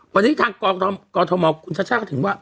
วันนี้ทางกกมคุณชาชาเขาถึงว่า